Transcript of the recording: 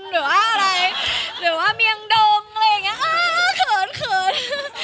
ก็หรือว่าเมียงดมอะไรอย่างงี้